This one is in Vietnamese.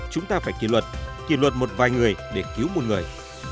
chúng ta phải kỳ luật kỳ luật một vài người để cứu một người